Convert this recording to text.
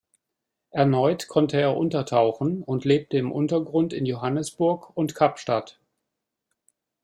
Erneut konnte er untertauchen und lebte im Untergrund in Johannesburg und Kapstadt.